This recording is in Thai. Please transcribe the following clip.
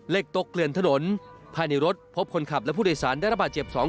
ตกเกลื่อนถนนภายในรถพบคนขับและผู้โดยสารได้ระบาดเจ็บสอง